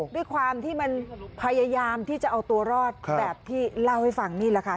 ด้วยความที่มันพยายามที่จะเอาตัวรอดแบบที่เล่าให้ฟังนี่แหละค่ะ